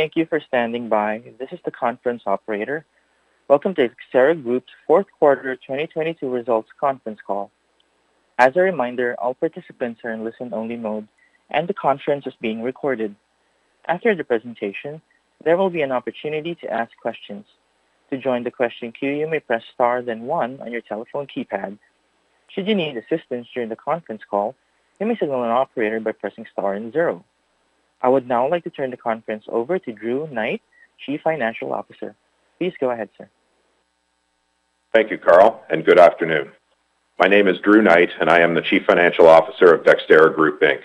Thank you for standing by. This is the conference operator. Welcome to Dexterra Group's Q4 2022 results conference call. As a reminder, all participants are in listen-only mode. The conference is being recorded. After the presentation, there will be an opportunity to ask questions. To join the question queue, you may press star then one on your telephone keypad. Should you need assistance during the conference call, you may signal an operator by pressing star and zero. I would now like to turn the conference over to Drew Knight, Chief Financial Officer. Please go ahead, sir. Thank you, Carl. Good afternoon. My name is Drew Knight, and I am the chief financial officer of Dexterra Group Inc.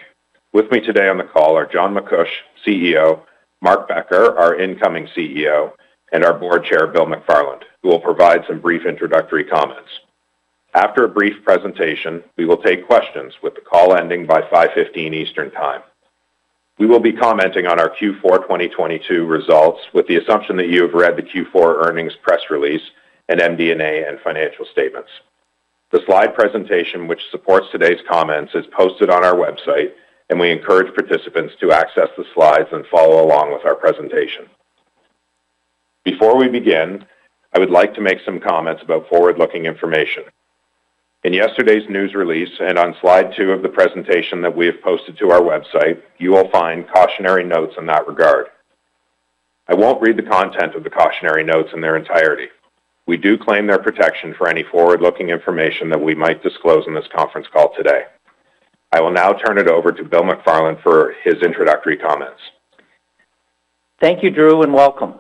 With me today on the call are John MacCuish, CEO, Mark Becker, our incoming CEO, and our board chair, Bill McFarland, who will provide some brief introductory comments. After a brief presentation, we will take questions, with the call ending by 5:15PM Eastern Time. We will be commenting on our Q4 2022 results with the assumption that you have read the Q4 earnings press release and MD&A and financial statements. The slide presentation, which supports today's comments, is posted on our website, and we encourage participants to access the slides and follow along with our presentation. Before we begin, I would like to make some comments about forward-looking information. In yesterday's news release and on slide two of the presentation that we have posted to our website, you will find cautionary notes in that regard. I won't read the content of the cautionary notes in their entirety. We do claim their protection for any forward-looking information that we might disclose in this conference call today. I will now turn it over to Bill McFarland for his introductory comments. Thank you, Drew, and welcome.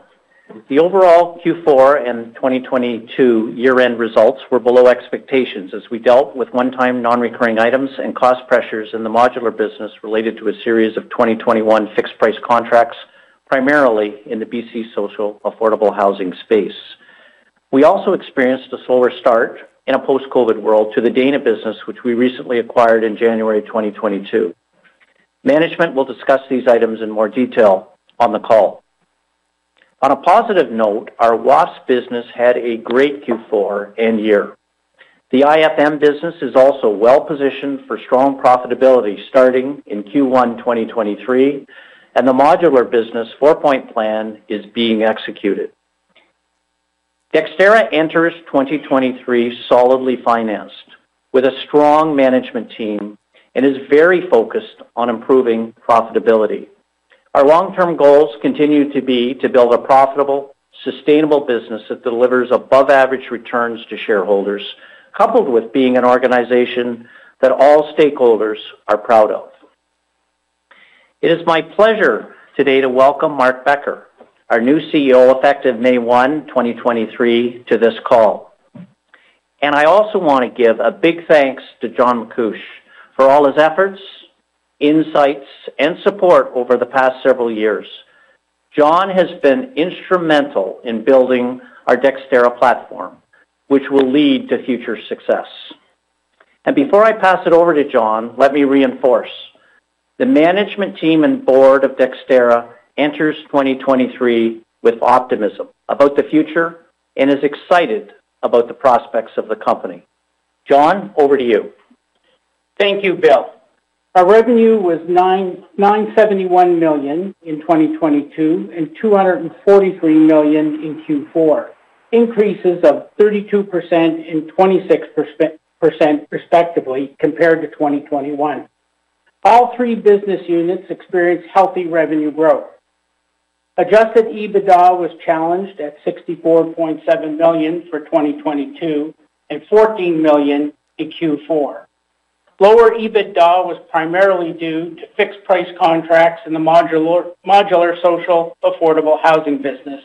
The overall Q4 and 2022 year-end results were below expectations as we dealt with one-time non-recurring items and cost pressures in the modular business related to a series of 2021 fixed-price contracts, primarily in the BC social affordable housing space. We also experienced a slower start in a post-COVID world to the Dana business, which we recently acquired in January 2022. Management will discuss these items in more detail on the call. On a positive note, our WAFES business had a great Q4 and year. The IFM business is also well-positioned for strong profitability starting in Q1 2023, and the modular business four-point plan is being executed. Dexterra enters 2023 solidly financed with a strong management team and is very focused on improving profitability. Our long-term goals continue to be to build a profitable, sustainable business that delivers above-average returns to shareholders, coupled with being an organization that all stakeholders are proud of. It is my pleasure today to welcome Mark Becker, Our new CEO, effective May 1, 2023, to this call. I also wanna give a big thanks to John MacCuish for all his efforts, insights, and support over the past several years. John has been instrumental in building our Dexterra platform, which will lead to future success. Before I pass it over to John, let me reinforce. The management team and board of Dexterra enters 2023 with optimism about the future and is excited about the prospects of the company. John, over to you. Thank you, Bill. Our revenue was 971 million in 2022 and 243 million in Q4, increases of 32% and 26%, respectively, compared to 2021. All three business units experienced healthy revenue growth. Adjusted EBITDA was challenged at 64.7 million for 2022 and 14 million in Q4. Lower EBITDA was primarily due to fixed price contracts in the modular social affordable housing business,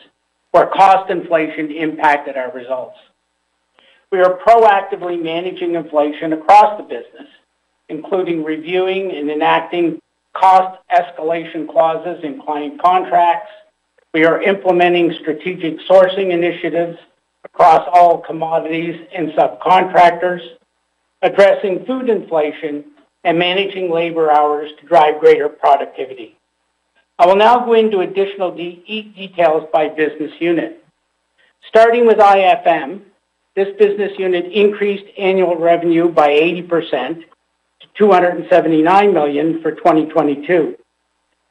where cost inflation impacted our results. We are proactively managing inflation across the business, including reviewing and enacting cost escalation clauses in client contracts. We are implementing strategic sourcing initiatives across all commodities and subcontractors, addressing food inflation and managing labor hours to drive greater productivity. I will now go into additional details by business unit. Starting with IFM, this business unit increased annual revenue by 80% to 279 million for 2022.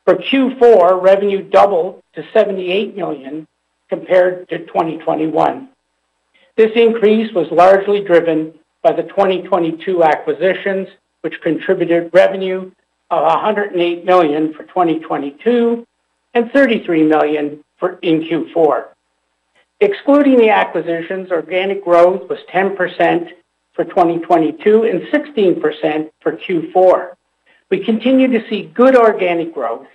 For Q4, revenue doubled to 78 million compared to 2021. This increase was largely driven by the 2022 acquisitions, which contributed revenue of 108 million for 2022 and 33 million in Q4. Excluding the acquisitions, organic growth was 10% for 2022 and 16% for Q4. We continue to see good organic growth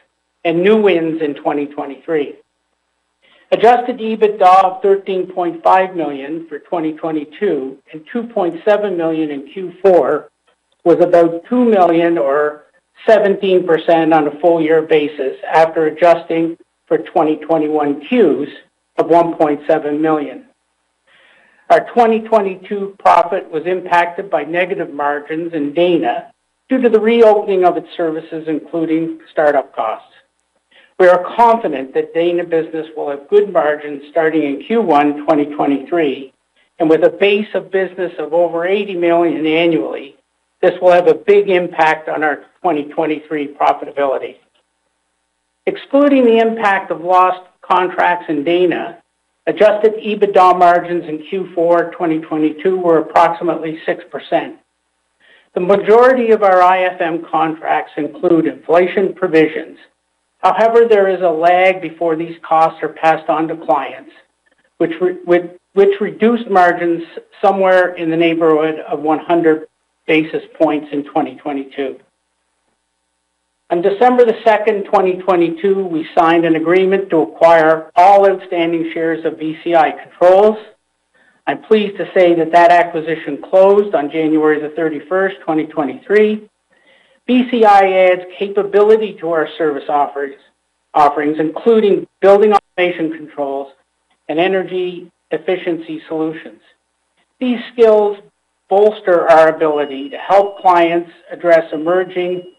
and new wins in 2023. Adjusted EBITDA of CAD 13.5 million for 2022 and CAD 2.7 million in Q4 was about CAD 2 million or 17% on a full year basis after adjusting for 2021 Qs of 1.7 million. Our 2022 profit was impacted by negative margins in Dana due to the reopening of its services, including startup costs. We are confident that Dana business will have good margins starting in Q1 2023. With a base of business of over 80 million annually, this will have a big impact on our 2023 profitability. Excluding the impact of lost contracts in Dana, adjusted EBITDA margins in Q4 2022 were approximately 6%. The majority of our IFM contracts include inflation provisions. There is a lag before these costs are passed on to clients, which reduced margins somewhere in the neighborhood of 100 basis points in 2022. On December 2, 2022, we signed an agreement to acquire all outstanding shares of VCI Controls. I'm pleased to say that acquisition closed on January 31, 2023. VCI adds capability to our service offerings, including building automation controls and energy efficiency solutions. These skills bolster our ability to help clients address emerging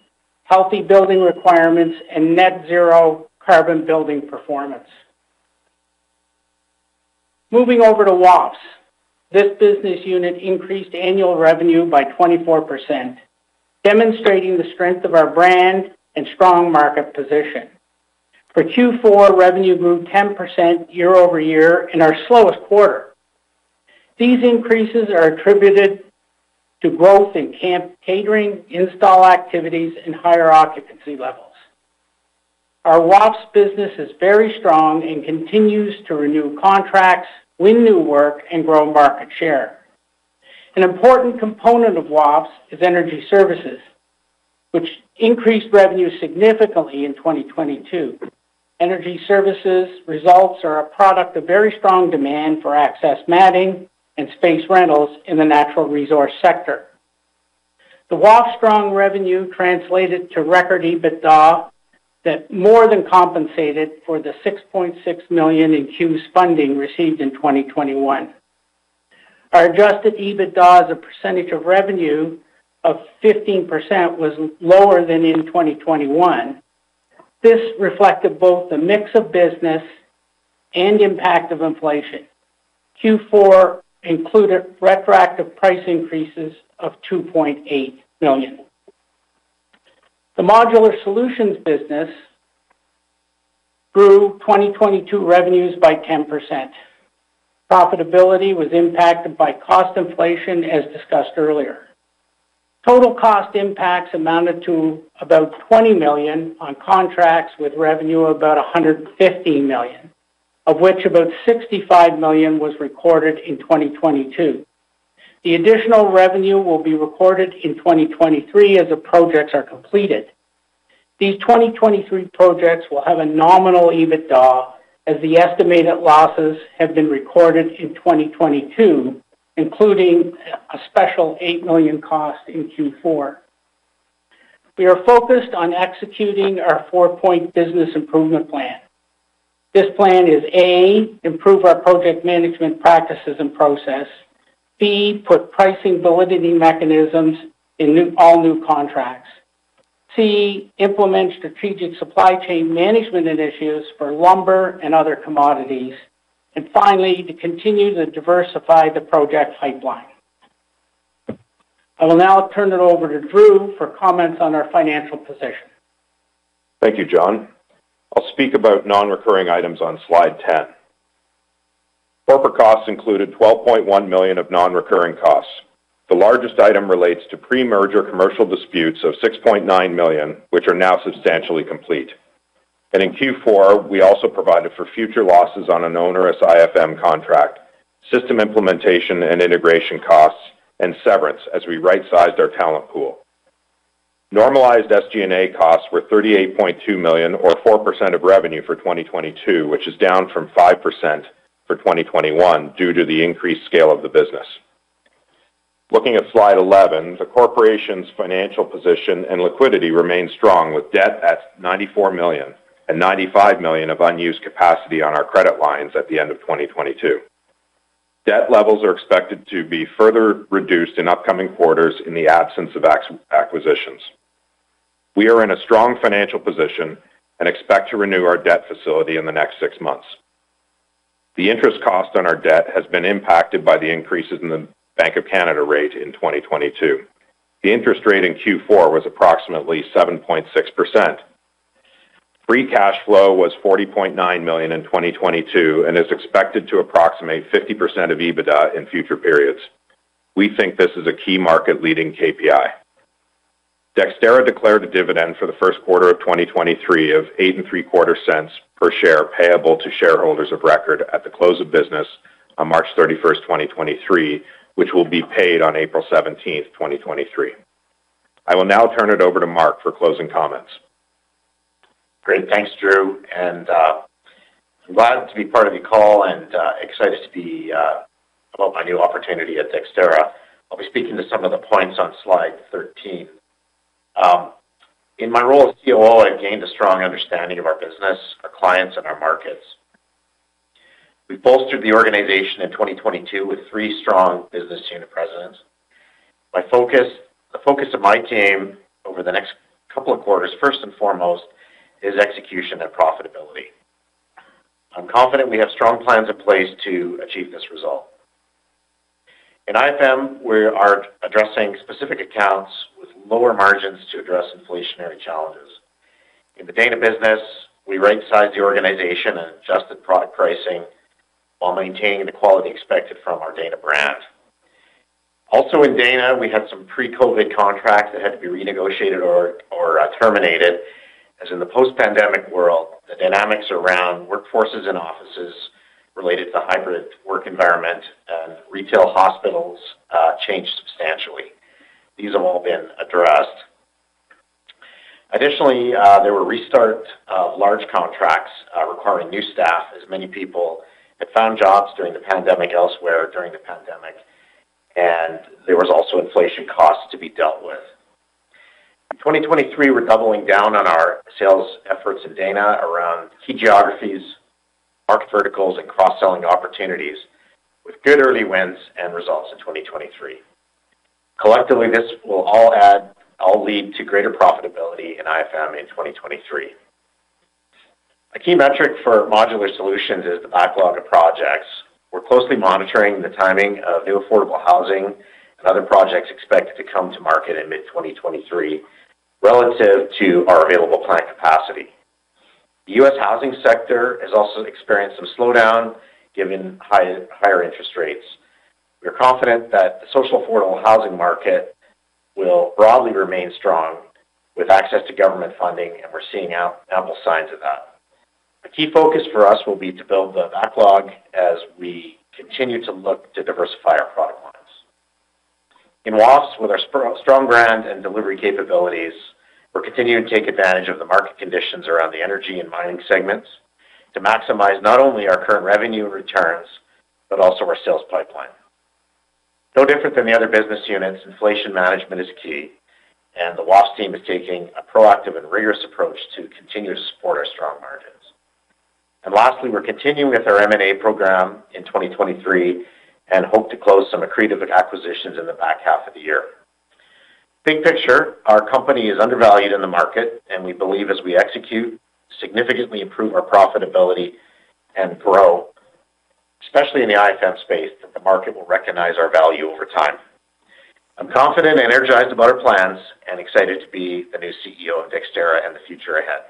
healthy building requirements and net zero carbon building performance. Moving over to WAFES. This business unit increased annual revenue by 24%, demonstrating the strength of our brand and strong market position. For Q4, revenue grew 10% year-over-year in our slowest quarter. These increases are attributed to growth in camp catering, install activities, and higher occupancy levels. Our WAFES business is very strong and continues to renew contracts, win new work, and grow market share. An important component of WAFES is energy services, which increased revenue significantly in 2022. Energy services results are a product of very strong demand for access matting and space rentals in the natural resource sector. The WAFES strong revenue translated to record EBITDA that more than compensated for the 6.6 million in Qs funding received in 2021. Our adjusted EBITDA as a percentage of revenue of 15% was lower than in 2021. This reflected both the mix of business and impact of inflation. Q4 included retroactive price increases of 2.8 million. The Modular Solutions business grew 2022 revenues by 10%. Profitability was impacted by cost inflation, as discussed earlier. Total cost impacts amounted to about 20 million on contracts with revenue of about 150 million, of which about 65 million was recorded in 2022. The additional revenue will be recorded in 2023 as the projects are completed. These 2023 projects will have a nominal EBITDA, as the estimated losses have been recorded in 2022, including a special 8 million cost in Q4. We are focused on executing our four-point business improvement plan. This plan is A, improve our project management practices and process. B, put pricing validity mechanisms in all new contracts. C, implement strategic supply chain management initiatives for lumber and other commodities. Finally, to continue to diversify the project pipeline. I will now turn it over to Drew for comments on our financial position. Thank you, John. I'll speak about non-recurring items on slide 10. Corporate costs included 12.1 million of non-recurring costs. The largest item relates to pre-merger commercial disputes of 6.9 million, which are now substantially complete. In Q4, we also provided for future losses on an onerous IFM contract, system implementation and integration costs, and severance as we right-sized our talent pool. Normalized SG&A costs were 38.2 million or 4% of revenue for 2022, which is down from 5% for 2021 due to the increased scale of the business. Looking at slide 11, the corporation's financial position and liquidity remain strong, with debt at 94 million and 95 million of unused capacity on our credit lines at the end of 2022. Debt levels are expected to be further reduced in upcoming quarters in the absence of acquisitions. We are in a strong financial position and expect to renew our debt facility in the next six months. The interest cost on our debt has been impacted by the increases in the Bank of Canada rate in 2022. The interest rate in Q4 was approximately 7.6%. Free cash flow was 40.9 million in 2022 and is expected to approximate 50% of EBITDA in future periods. We think this is a key market leading KPI. Dexterra declared a dividend for the Q1 of 2023 of eight and three quarter cents per share payable to shareholders of record at the close of business on March 31, 2023, which will be paid on April 17, 2023. I will now turn it over to Mark for closing comments. Great. Thanks, Drew, and I'm glad to be part of the call and excited to be about my new opportunity at Dexterra. I'll be speaking to some of the points on slide 13. In my role as COO, I've gained a strong understanding of our business, our clients, and our markets. We've bolstered the organization in 2022 with three strong business unit presidents. The focus of my team over the next couple of quarters, first and foremost, is execution and profitability. I'm confident we have strong plans in place to achieve this result. In IFM, we are addressing specific accounts with lower margins to address inflationary challenges. In the Dana business, we right-sized the organization and adjusted product pricing while maintaining the quality expected from our Dana brand. Also in Dana, we had some pre-COVID contracts that had to be renegotiated or terminated. In the post-pandemic world, the dynamics around workforces and offices related to hybrid work environment and retail hospitals changed substantially. These have all been addressed. Additionally, there were restart of large contracts, requiring new staff as many people had found jobs during the pandemic elsewhere during the pandemic, and there was also inflation costs to be dealt with. In 2023, we're doubling down on our sales efforts in Dana around key geographies, market verticals, and cross-selling opportunities with good early wins and results in 2023. Collectively, this will all lead to greater profitability in IFM in 2023. A key metric for Modular Solutions is the backlog of projects. We're closely monitoring the timing of new affordable housing and other projects expected to come to market in mid 2023 relative to our available plant capacity. The U.S. housing sector has also experienced some slowdown given higher interest rates. We are confident that the social affordable housing market will broadly remain strong with access to government funding, we're seeing ample signs of that. A key focus for us will be to build the backlog as we continue to look to diversify our product lines. In WAFES, with our strong brand and delivery capabilities, we're continuing to take advantage of the market conditions around the energy and mining segments to maximize not only our current revenue returns, but also our sales pipeline. No different than the other business units, inflation management is key, and the WAFES team is taking a proactive and rigorous approach to continue to support our strong margins. Lastly, we're continuing with our M&A program in 2023 and hope to close some accretive acquisitions in the back half of the year. Big picture, our company is undervalued in the market, and we believe as we execute, significantly improve our profitability and grow, especially in the IFM space, that the market will recognize our value over time. I'm confident and energized about our plans and excited to be the new CEO of Dexterra and the future ahead.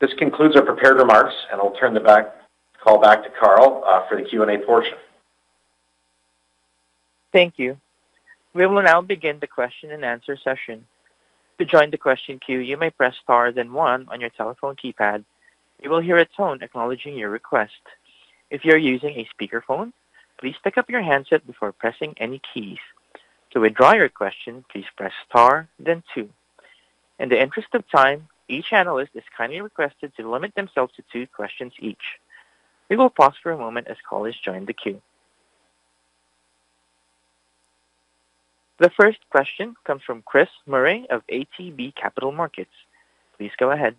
This concludes our prepared remarks, and I'll turn the call back to Carl for the Q&A portion. Thank you. We will now begin the question-and-answer session. To join the question queue, you may press star one on your telephone keypad. You will hear a tone acknowledging your request. If you are using a speakerphone, please pick up your handset before pressing any keys. To withdraw your question, please press star two. In the interest of time, each analyst is kindly requested to limit themselves to two questions each. We will pause for a moment as callers join the queue. The first question comes from Chris Murray of ATB Capital Markets. Please go ahead.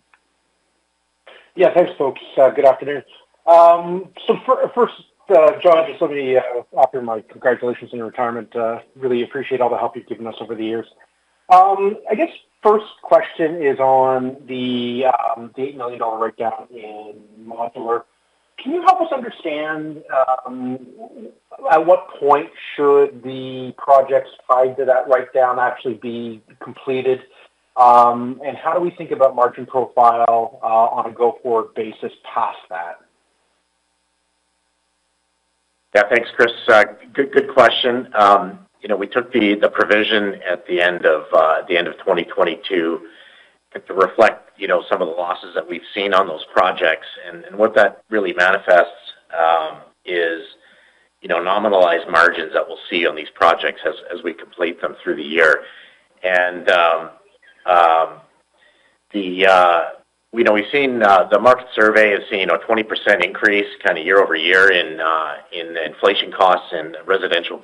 Thanks, folks. Good afternoon. First, John, just let me offer my congratulations on your retirement. Really appreciate all the help you've given us over the years. I guess first question is on the 8 million dollar write-down in modular. Can you help us understand at what point should the project's size of that write-down actually be completed? How do we think about margin profile on a go-forward basis past that? Yeah. Thanks, Chris. Good question. You know, we took the provision at the end of 2022 to reflect, you know, some of the losses that we've seen on those projects. What that really manifests is, you know, nominalized margins that we'll see on these projects as we complete them through the year. The market survey has seen a 20% increase kinda year-over-year in inflation costs and residential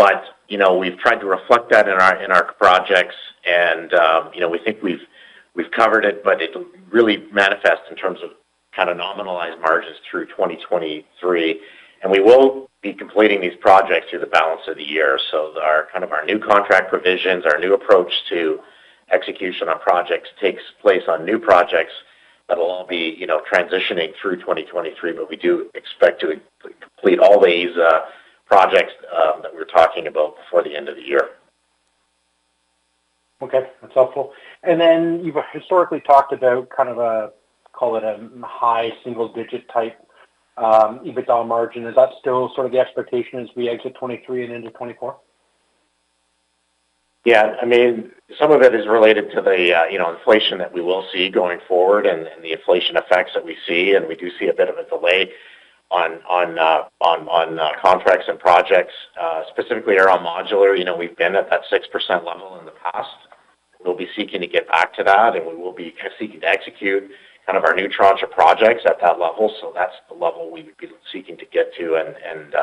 building. You know, we've tried to reflect that in our projects and, you know, we think we've covered it, but it really manifests in terms of kinda nominalized margins through 2023. We will be completing these projects through the balance of the year. Our, kind of our new contract provisions, our new approach to execution on projects takes place on new projects that'll all be, you know, transitioning through 2023. We do expect to complete all these projects that we're talking about before the end of the year. Okay. That's helpful. You've historically talked about kind of a, call it a high single-digit type EBITDA margin. Is that still sort of the expectation as we exit 2023 and into 2024? Yeah. I mean, some of it is related to the, you know, inflation that we will see going forward and the inflation effects that we see, and we do see a bit of a delay on contracts and projects, specifically around modular. You know, we've been at that 6% level in the past. We'll be seeking to get back to that, and we will be kinda seeking to execute kind of our new tranche of projects at that level. That's the level we would be seeking to get to and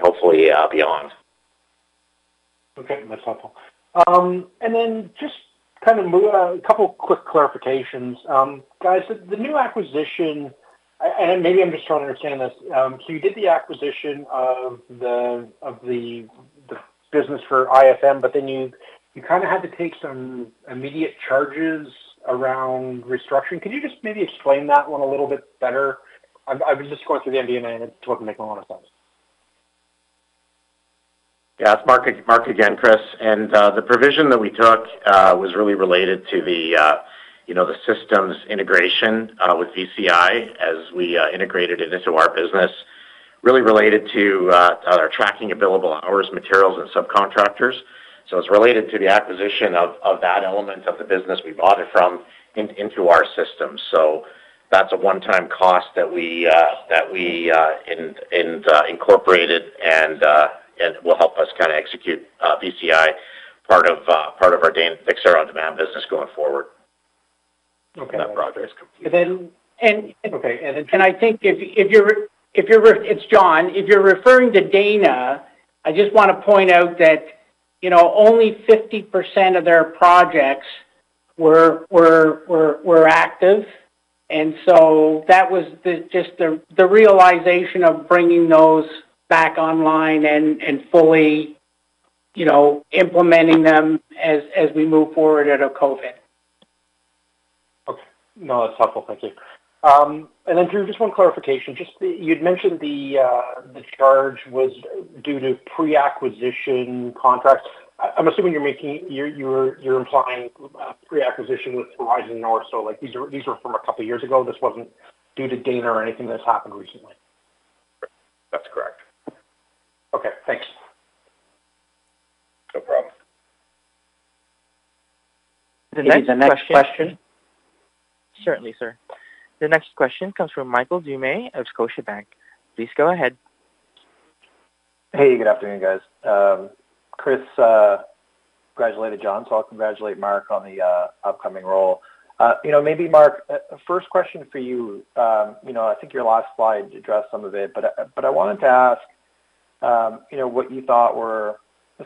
hopefully beyond. Okay. That's helpful. Just kind of move a couple quick clarifications. guys, the new acquisition... Maybe I'm just trying to understand this. You did the acquisition of the business for IFM, then you kinda had to take some immediate charges around restructuring. Could you just maybe explain that one a little bit better? I was just going through the MD&A, and it doesn't make a lot of sense. Yeah, it's Mark again, Chris. The provision that we took was really related to the, you know, the systems integration with VCI as we integrated it into our business, really related to our tracking available hours, materials, and subcontractors. It's related to the acquisition of that element of the business we bought it from into our system. That's a one-time cost that we incorporated and will help us kinda execute VCI, part of our Dexterra on-demand business going forward. Okay. When that progress completes. Then... And- Okay. It's John. If you're referring to Dana, I just wanna point out that, you know, only 50% of their projects were active. That was the, just the realization of bringing those back online and fully, you know, implementing them as we move forward out of COVID. Okay. No, that's helpful. Thank you. Then Drew, just one clarification. You'd mentioned the charge was due to pre-acquisition contracts. I'm assuming you're implying pre-acquisition with Horizon North. Like, these are from a couple years ago. This wasn't due to Dana or anything that's happened recently. That's correct. Okay. Thanks. No problem. The next question. Maybe the next question. Certainly, sir. The next question comes from Michael Doumet of Scotiabank. Please go ahead. Good afternoon, guys. Chris congratulated John, so I'll congratulate Mark on the upcoming role. You know, maybe Mark, first question for you. You know, I think your last slide addressed some of it, but I wanted to ask, you know, what you thought were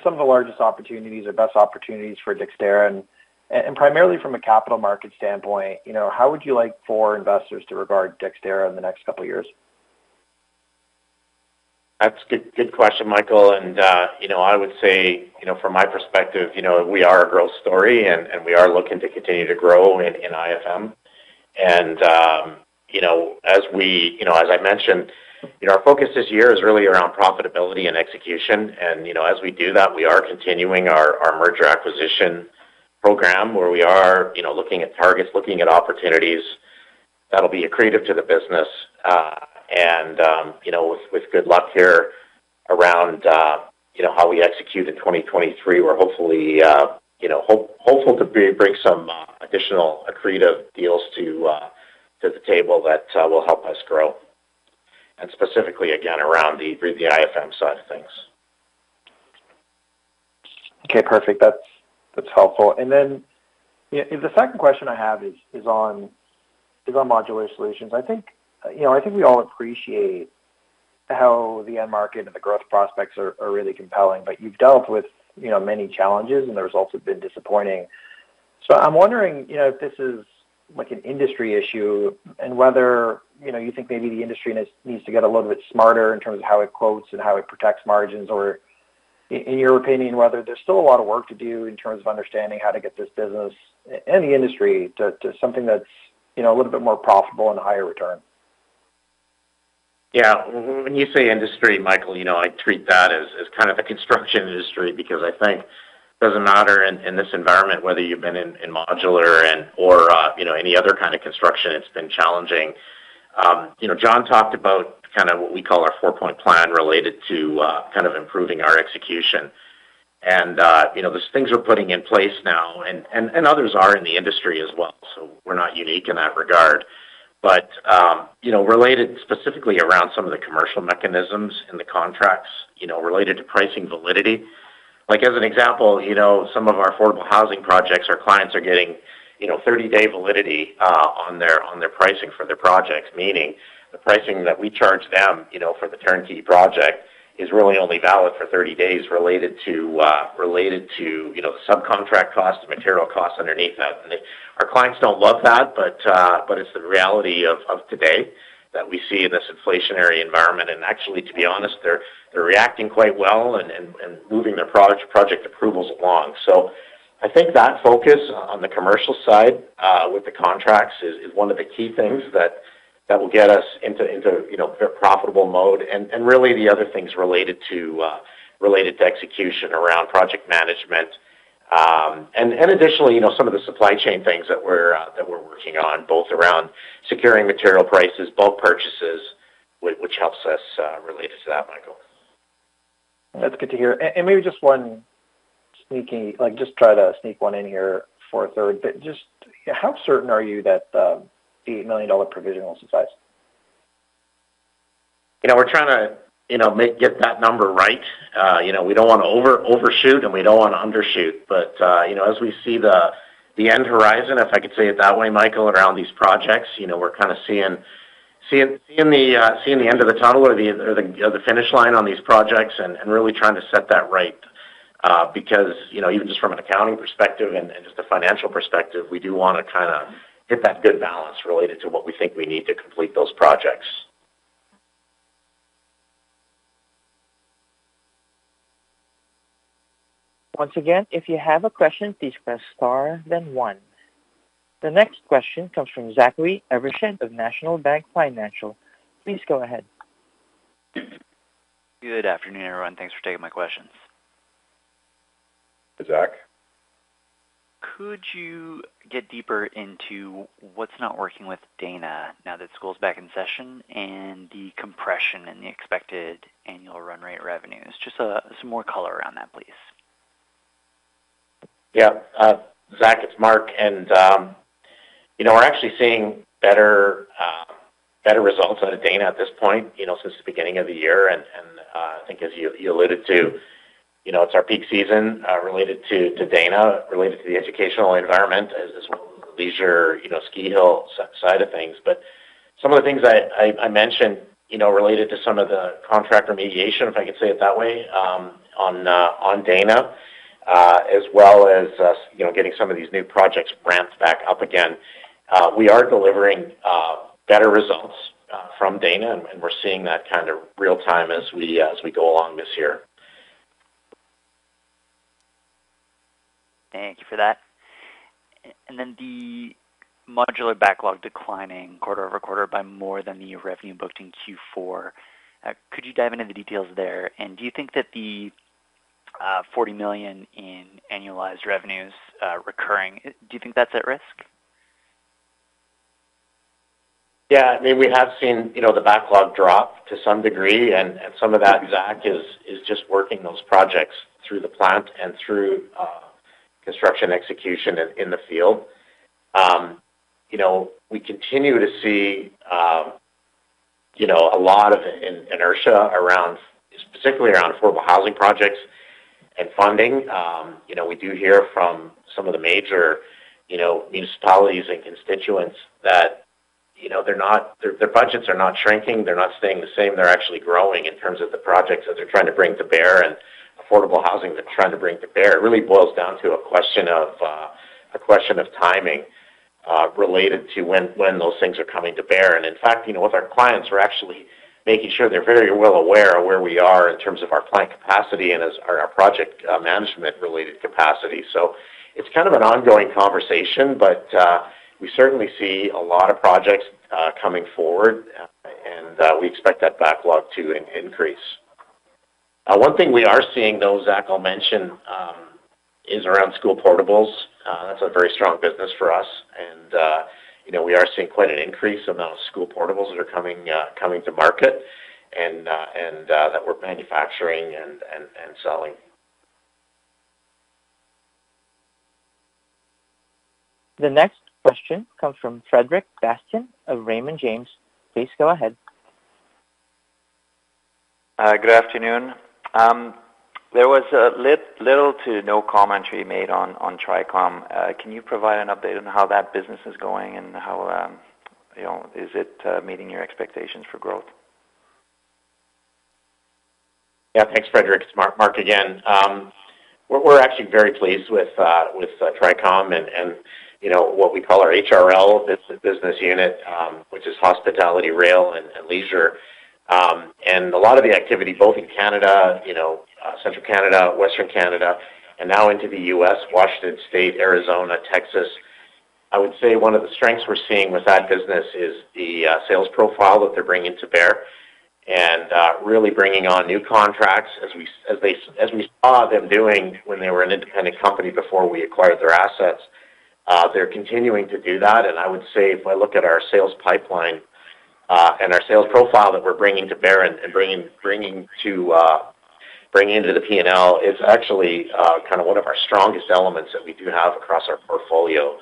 some of the largest opportunities or best opportunities for Dexterra and primarily from a capital market standpoint, you know, how would you like for investors to regard Dexterra in the next couple of years? That's a good question, Michael. You know, I would say, you know, from my perspective, you know, we are a growth story, and we are looking to continue to grow in IFM. You know, as I mentioned, you know, our focus this year is really around profitability and execution. You know, as we do that, we are continuing our merger acquisition program, where we are, you know, looking at targets, looking at opportunities that'll be accretive to the business. You know, with good luck here around, you know, how we execute in 2023, we're hopefully, you know, hopeful to bring some additional accretive deals to the table that will help us grow and specifically again around the IFM side of things. Okay. Perfect. That's helpful. Then, you know, the second question I have is on Modular Solutions. I think, you know, I think we all appreciate how the end market and the growth prospects are really compelling, but you've dealt with, you know, many challenges, and the results have been disappointing. I'm wondering, you know, if this is like an industry issue and whether, you know, you think maybe the industry needs to get a little bit smarter in terms of how it quotes and how it protects margins, or in your opinion, whether there's still a lot of work to do in terms of understanding how to get this business and the industry to something that's, you know, a little bit more profitable and higher return. Yeah. When you say industry, Michael, you know, I treat that as kind of the construction industry because I think it doesn't matter in this environment whether you've been in modular and... or, you know, any other kind of construction, it's been challenging. You know, John talked about kind of what we call our four-point plan related to, kind of improving our execution. You know, there's things we're putting in place now and others are in the industry as well. So we're not unique in that regard. You know, related specifically around some of the commercial mechanisms in the contracts, you know, related to pricing validity. Like, as an example, you know, some of our affordable housing projects, our clients are getting, you know, 30-day validity on their pricing for their projects, meaning the pricing that we charge them, you know, for the turnkey project is really only valid for 30 days related to subcontract costs and material costs underneath that. Our clients don't love that, but it's the reality of today that we see in this inflationary environment. Actually, to be honest, they're reacting quite well and moving their project approvals along. I think that focus on the commercial side with the contracts is one of the key things that will get us into profitable mode. Really the other things related to execution around project management. Additionally, you know, some of the supply chain things that we're working on, both around securing material prices, bulk purchases, which helps us related to that, Michael. That's good to hear. maybe just one sneaky... Like, just try to sneak one in here for a third. just, how certain are you that, the 8 million dollar provision will suffice? You know, we're trying to, you know, get that number right. You know, we don't wanna overshoot, and we don't wanna undershoot. You know, as we see the end horizon, if I could say it that way, Michael, around these projects, you know, we're kinda seeing the end of the tunnel or the finish line on these projects and really trying to set that right. Because, you know, even just from an accounting perspective and just a financial perspective, we do wanna kinda hit that good balance related to what we think we need to complete those projects. Once again, if you have a question, please press Star then one. The next question comes from Zachary Evershed of National Bank Financial. Please go ahead. Good afternoon, everyone. Thanks for taking my questions. Zach. Could you get deeper into what's not working with Dana now that school is back in session and the compression and the expected annual run rate revenues? Just, some more color around that, please. Yeah. Zach, it's Mark. You know, we're actually seeing better results out of Dana at this point, you know, since the beginning of the year. I think as you alluded to, you know, it's our peak season related to Dana, related to the educational environment as well as the leisure, you know, ski hill side of things. Some of the things I mentioned, you know, related to some of the contract remediation, if I could say it that way, on Dana, as well as, you know, getting some of these new projects ramped back up again. We are delivering better results from Dana, we're seeing that kind of real-time as we go along this year. Thank you for that. The modular backlog declining quarter-over-quarter by more than the revenue booked in Q4. Could you dive into the details there? Do you think that the 40 million in annualized revenues recurring, do you think that's at risk? Yeah. I mean, we have seen, you know, the backlog drop to some degree, and some of that, Zach, is just working those projects through the plant and through construction execution in the field. You know, we continue to see, you know, a lot of inertia around, specifically around affordable housing projects and funding. You know, we do hear from some of the major, you know, municipalities and constituents that, you know, their budgets are not shrinking. They're not staying the same. They're actually growing in terms of the projects that they're trying to bring to bear and affordable housing they're trying to bring to bear. It really boils down to a question of a question of timing, related to when those things are coming to bear. In fact, you know, with our clients, we're actually making sure they're very well aware of where we are in terms of our plant capacity and as our project management related capacity. It's kind of an ongoing conversation, but we certainly see a lot of projects coming forward, and we expect that backlog to increase. One thing we are seeing, though, Zach, I'll mention, is around school portables. That's a very strong business for us. You know, we are seeing quite an increase amount of school portables that are coming to market and that we're manufacturing and selling. The next question comes from Frederic Bastien of Raymond James. Please go ahead. Good afternoon. There was a little to no commentary made on TRICOM. Can you provide an update on how that business is going and how, you know, is it meeting your expectations for growth? Thanks, Frederic. It's Mark again. We're actually very pleased with TRICOM and, you know, what we call our HRL business unit, which is hospitality, rail, and leisure. A lot of the activity both in Canada, you know, Central Canada, Western Canada, and now into the U.S., Washington state, Arizona, Texas. I would say one of the strengths we're seeing with that business is the sales profile that they're bringing to bear and really bringing on new contracts as we saw them doing when they were an independent company before we acquired their assets. They're continuing to do that. I would say, if I look at our sales pipeline, and our sales profile that we're bringing to bear and bringing to, bringing into the P&L, is actually, kind of one of our strongest elements that we do have across our portfolio.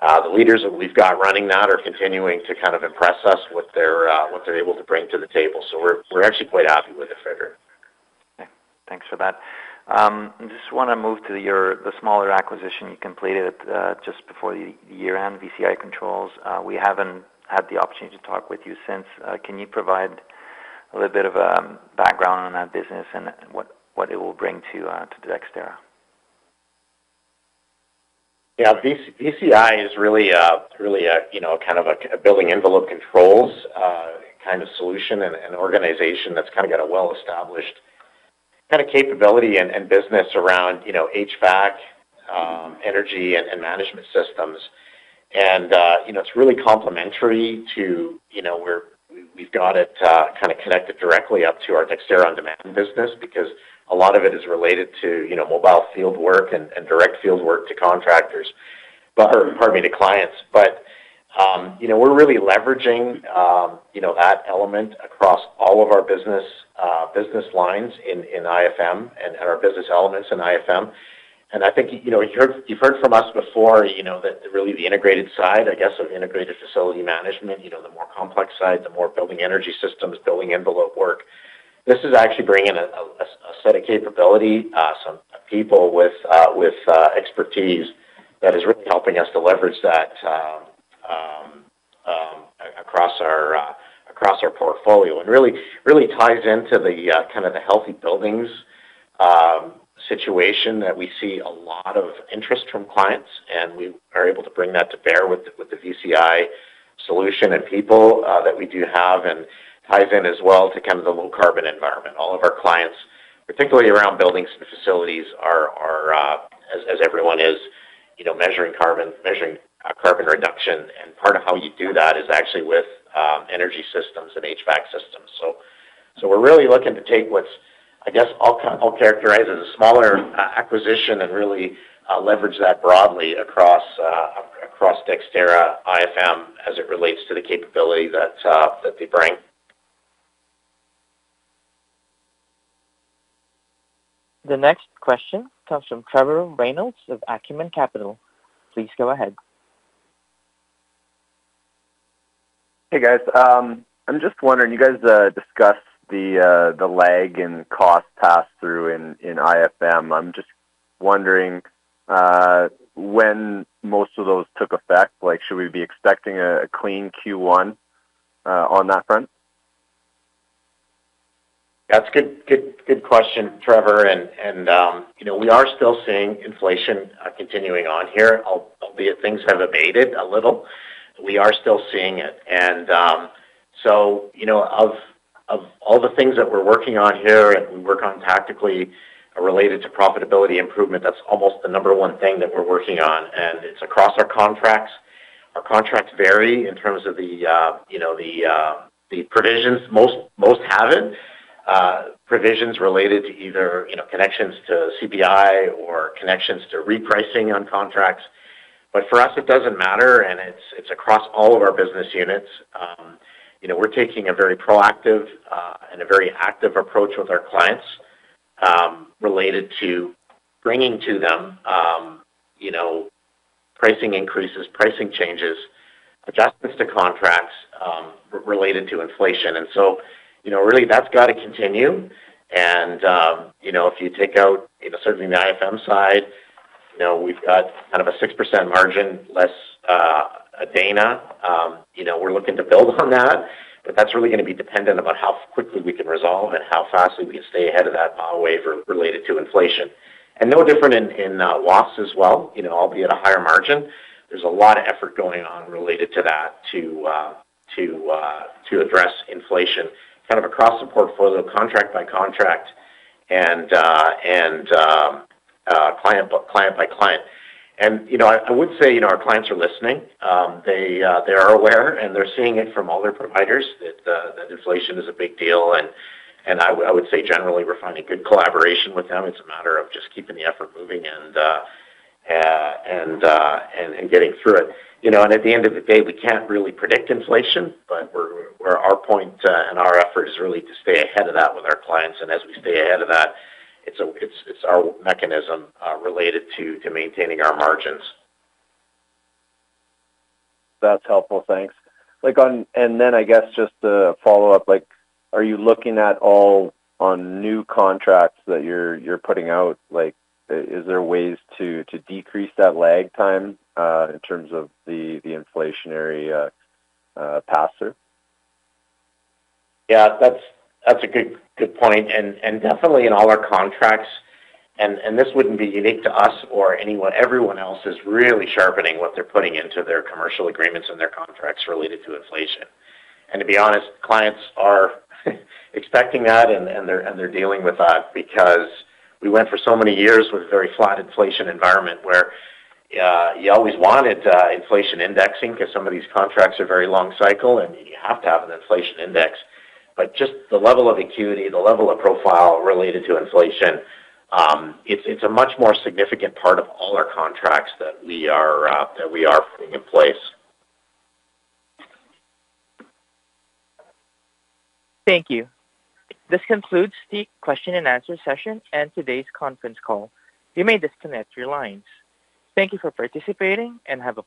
The leaders that we've got running that are continuing to kind of impress us with their, what they're able to bring to the table. We're, we're actually quite happy with it, Frederic. Okay. Thanks for that. I just wanna move to the smaller acquisition you completed just before the year-end, VCI Controls. We haven't had the opportunity to talk with you since. Can you provide a little bit of background on that business and what it will bring to Dexterra? Yeah. VCI is really, really, you know, kind of a building envelope controls, kind of solution and an organization that's kinda got a well-established kinda capability and business around, you know, HVAC, energy and management systems. You know, it's really complementary to, you know, we've got it, kinda connected directly up to our Dexterra on-demand business because a lot of it is related to, you know, mobile field work and direct field work to contractors. Pardon me, to clients. You know, we're really leveraging, you know, that element across all of our business lines in IFM and our business elements in IFM. I think, you know, you've heard from us before, you know, that really the integrated side, I guess, of Integrated Facilities Management, you know, the more complex side, the more building energy systems, building envelope work. This is actually bringing a set of capability, some people with expertise that is really helping us to leverage that across our portfolio, and really ties into the kind of the healthy buildings situation that we see a lot of interest from clients, and we are able to bring that to bear with the VCI Solution and people that we do have and ties in as well to kind of the low carbon environment. All of our clients, particularly around buildings and facilities are, as everyone is, you know, measuring carbon, measuring carbon reduction. Part of how you do that is actually with energy systems and HVAC systems. We're really looking to take what's, I guess, I'll characterize as a smaller acquisition and really leverage that broadly across Dexterra IFM as it relates to the capability that they bring. The next question comes from Trevor Reynolds of Acumen Capital. Please go ahead. Hey, guys. I'm just wondering, you guys discussed the lag and cost pass-through in IFM. I'm just wondering when most of those took effect. Like, should we be expecting a clean Q1 on that front? That's a good question, Trevor. you know, we are still seeing inflation continuing on here, albeit things have abated a little. We are still seeing it. you know, of all the things that we're working on here and we work on tactically related to profitability improvement, that's almost the number one thing that we're working on, and it's across our contracts. Our contracts vary in terms of the, you know, the provisions. Most have it provisions related to either, you know, connections to CPI or connections to repricing on contracts. For us, it doesn't matter, and it's across all of our business units. you know, we're taking a very proactive and a very active approach with our clients, related to bringing to them, you know, pricing increases, pricing changes, adjustments to contracts, related to inflation. you know, really that's gotta continue. you know, if you take out, you know, certainly the IFM side, you know, we've got kind of a 6% margin, less Dana. you know, we're looking to build on that, but that's really gonna be dependent about how quickly we can resolve and how fast we can stay ahead of that ball wave related to inflation. no different in loss as well, you know, albeit a higher margin. There's a lot of effort going on related to that, to address inflation kind of across the portfolio, contract by contract and client by client. You know, I would say, you know, our clients are listening. They are aware, and they're seeing it from all their providers that inflation is a big deal. I would say generally we're finding good collaboration with them. It's a matter of just keeping the effort moving and getting through it. You know, at the end of the day, we can't really predict inflation, but we're our point and our effort is really to stay ahead of that with our clients. As we stay ahead of that, it's our mechanism, related to maintaining our margins. That's helpful. Thanks. Like, I guess just a follow-up. Like, are you looking at all on new contracts that you're putting out? Like, is there ways to decrease that lag time, in terms of the inflationary pass-through? Yeah, that's a good point. Definitely in all our contracts, and this wouldn't be unique to us or anyone. Everyone else is really sharpening what they're putting into their commercial agreements and their contracts related to inflation. To be honest, clients are expecting that, and they're dealing with that because we went for so many years with a very flat inflation environment where you always wanted inflation indexing because some of these contracts are very long cycle, and you have to have an inflation index. Just the level of acuity, the level of profile related to inflation, it's a much more significant part of all our contracts that we are putting in place. Thank you. This concludes the question and answer session and today's conference call. You may disconnect your lines. Thank you for participating and have a pleasant day.